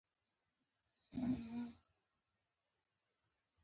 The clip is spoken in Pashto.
مېوې د افغانستان د چاپیریال ساتنې لپاره ډېر مهم او اړین دي.